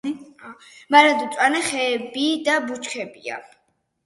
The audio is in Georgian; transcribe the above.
მარადმწვანე ხეები და ბუჩქებია.